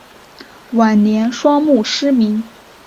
晚年双目失明。